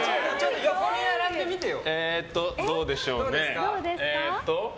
横に並んでみてよ。